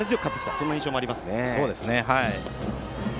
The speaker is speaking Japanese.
そんな印象もあります。